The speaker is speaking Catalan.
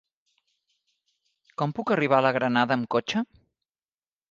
Com puc arribar a la Granada amb cotxe?